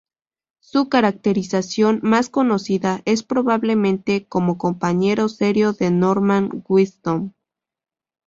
Su caracterización más conocida es probablemente como compañero serio de Norman Wisdom.